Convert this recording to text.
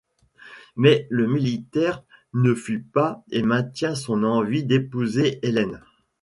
Mais le militaire ne fuit pas et maintient son envie d'épouser Ellen.